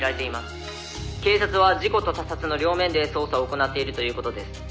「警察は事故と他殺の両面で捜査を行っているという事です」